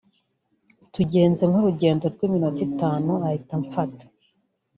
tugenze nk’urugendo rw’iminota itanu ahita amfata»